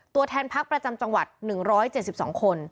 ตัวแทนพักประจำจังหวัด๑๗๒คน